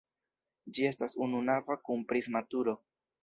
Ĝi estas ununava kun prisma turo.